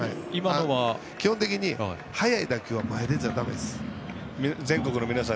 基本的に速い打球は前に出ちゃだめです。